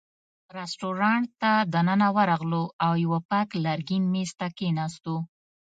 رېستورانت ته دننه ورغلو او یوه پاک لرګین مېز ته کېناستو.